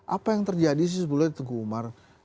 apa yang terjadi sih sebelumnya teguh umar